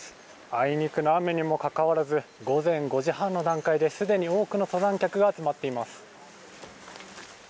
あいにくの雨にもかかわらず午前５時半の段階ですでに多くの登山客が集まっています。